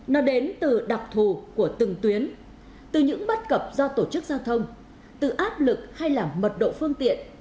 nó đến từ đặc thù của từng tuyến từ những bất cập do tổ chức giao thông từ áp lực hay là mật độ phương tiện